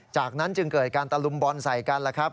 จากนั้นจึงเกิดการตะลุมบอลใส่กันแล้วครับ